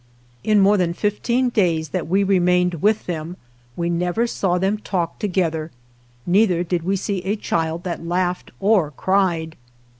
In more than fifteen days that we re mained with them we never saw them talk together, neither did we see a child that laughed or cried.